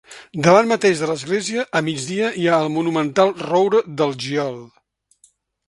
Davant mateix de l'església, a migdia, hi ha el monumental Roure del Giol.